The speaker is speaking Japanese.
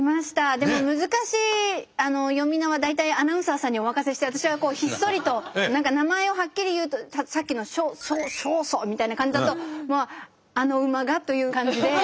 でも難しい読みのは大体アナウンサーさんにお任せして私はひっそりと何か名前をはっきり言うとさっきのショソソウソみたいな感じだと「あの馬が」という感じで。